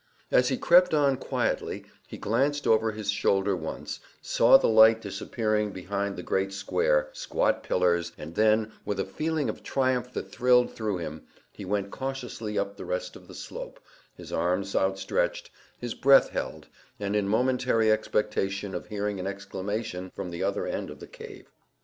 As he crept on quietly he glanced over his shoulder once, saw the light disappearing behind the great square, squat pillars, and then with a feeling of triumph that thrilled through him, he went cautiously up the rest of the slope, his arms outstretched, his breath held, and in momentary expectation of hearing an exclamation from the other end of the cave.